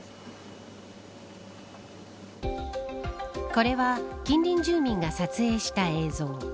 これは近隣住民が撮影した映像。